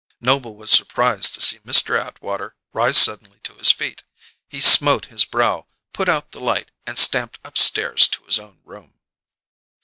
Noble was surprised to see Mr. Atwater rise suddenly to his feet. He smote his brow, put out the light, and stamped upstairs to his own room.